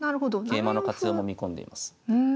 桂馬の活用も見込んでいます。